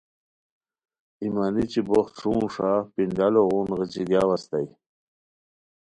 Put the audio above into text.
ای مانیچی بوخت ݰونگ ݰا پینڈالو غون غیچی گیاؤ استائے